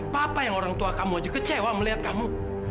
papa yang orang tua kamu aja kecewa melihat kamu